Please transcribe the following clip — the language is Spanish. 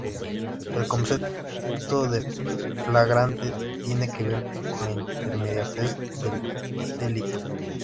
El concepto de flagrante tiene que ver con la inmediatez del delito.